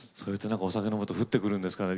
お酒飲むと降ってくるんですかね。